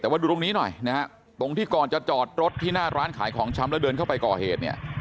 แต่ว่าดูตรงนี้หน่อยนะฮะตรงที่ก่อนจะจอดรถที่หน้าร้านขายของชำแล้วเดินเข้าไปก่อเหตุเนี่ย